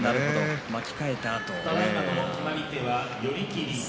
巻き替えたあとですね。